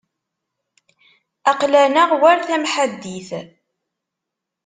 Aql-aneɣ war tamḥaddit.